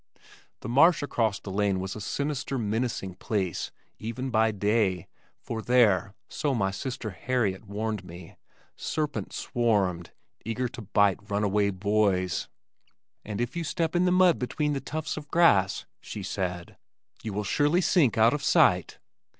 The marsh across the lane was a sinister menacing place even by day for there (so my sister Harriet warned me) serpents swarmed, eager to bite runaway boys. "And if you step in the mud between the tufts of grass," she said, "you will surely sink out of sight."